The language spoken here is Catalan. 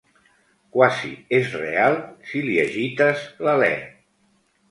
Quasi és real si li agites l'alè.